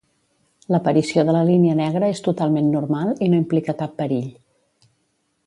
L'aparició de la línia negra és totalment normal i no implica cap perill.